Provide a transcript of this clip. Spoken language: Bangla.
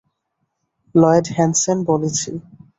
লয়েড হ্যানসেন বলছি।